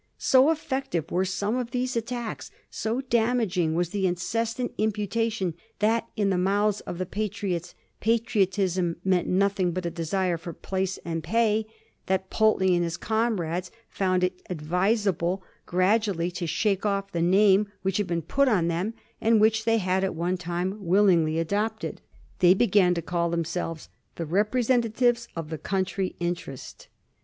So effective were some of these attacks, so damaging was the incessant imputation that in the mouths of the Patriots patriotism meant nothing but a desire for place and pay, that Pulteney and his comrades found it advisable gradu ally to shake off the name which had been put on them, and which they had at one time willingly adopted. They began to call themselves '^ the representatives of the coun try interest."